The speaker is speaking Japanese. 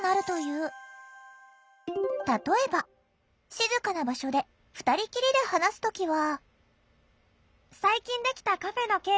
静かな場所で２人きりで話す時は。